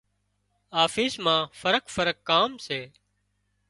آفيس مان فرق فرق ڪام سي۔